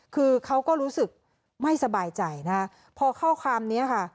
คือเขาก็รู้สึกไม่สบายใจนะคะพอข้อความนี้ค่ะ